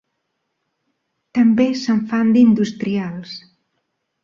També se'n fan d'industrials.